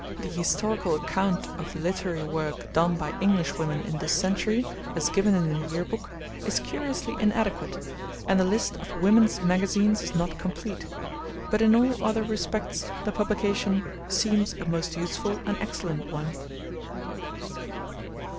The historical account of the literary work done by Englishwomen in this century, as given in the Year Book, is curiously inadequate, and the list of women's magazines is not complete, but in all other respects the publication seems a most useful and excellent one.